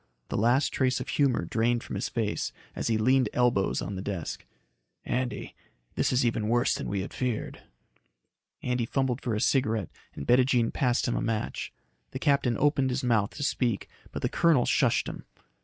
The last trace of humor drained from his face as he leaned elbows on the desk. "Andy, this is even worse than we had feared." Andy fumbled for a cigarette and Bettijean passed him a match. A captain opened his mouth to speak, but the colonel shushed him.